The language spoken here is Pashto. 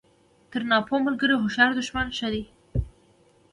تر ناپوه ملګري هوښیار دوښمن ښه دئ!